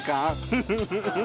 フフフフフ。